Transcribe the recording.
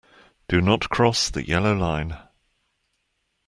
Do not cross the yellow line.